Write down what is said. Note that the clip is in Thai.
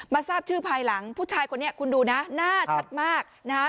ทราบชื่อภายหลังผู้ชายคนนี้คุณดูนะหน้าชัดมากนะฮะ